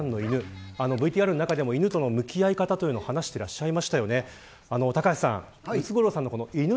ＶＴＲの中でも犬との向き合い方を話してらっしゃいましたよね。